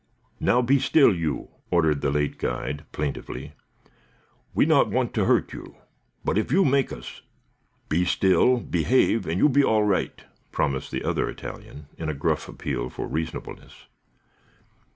"Now, be still you!" ordered the late guide, plaintively. "We not want to hurt you. But, if you make us " "Be still, behave, and you be all right," promised the other Italian, in a gruff appeal for reasonableness.